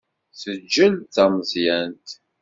Teǧǧel d tameẓyant.